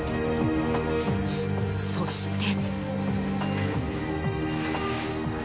そして。